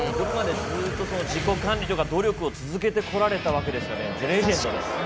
ここまでずっと自己管理とか努力を続けてこられたわけですよね。